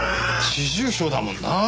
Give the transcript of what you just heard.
四重唱だもんなあ。